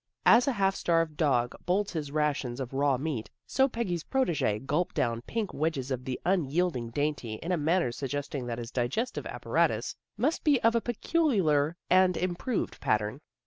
As a half starved dog bolts his rations of raw meat so Peggy's protege gulped down pink wedges of the unyielding dainty in a manner suggest ing that his digestive apparatus must be of a peculiar and unproved pattern.